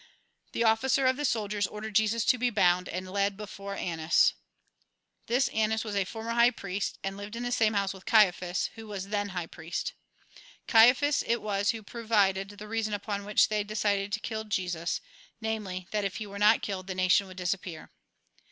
The officer of the soldiers ordered Jesus to be bound, and led before Annas. This A RECAPITULATION 217 Annas was a former high priest, and lived in the same house with Caiaphas, who was then high priest. Caiaphas it was who provided the reason upon which they decided to kill Jesus ; namely, that if he were not killed the nation would dis appear.